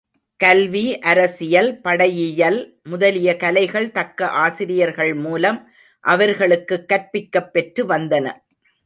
கல்வி, அரசியல், படையியல் முதலிய கலைகள் தக்க ஆசிரியர்கள் மூலம் அவர்களுக்குக் கற்பிக்கப் பெற்று வந்தன.